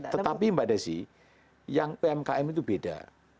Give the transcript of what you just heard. tetapi mbak desi yang pmkm itu beda